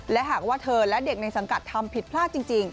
และหากว่าเธอและเด็กในสังกัดทำผิดพลาดจริง